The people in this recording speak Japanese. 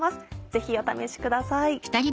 ぜひお試しください。